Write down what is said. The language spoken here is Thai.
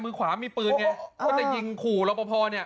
มือขวามีปืนไงก็จะยิงขู่ลพพอเนี่ย